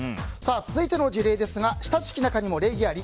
続いての事例ですが親しき仲にも礼儀あり？